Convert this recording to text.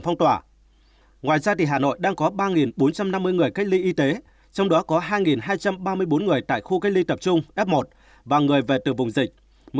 phong tỏa hà nội đang có ba bốn trăm năm mươi người cách ly y tế trong đó có hai hai trăm ba mươi bốn người tại khu cách ly tập trung f một và người về từ vùng dịch